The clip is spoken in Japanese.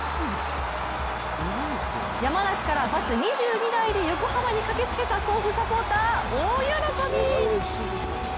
山梨からバス２２台で横浜に駆けつけた甲府サポーター、大喜び！